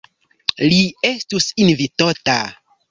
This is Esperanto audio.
Li estus invitota.